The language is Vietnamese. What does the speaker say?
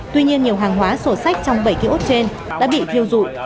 tuy nhiên nhiều hàng hóa sổ sách trong bảy ký ốt trên đã bị thiêu dụng